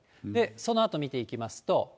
そのあと見ていきますと。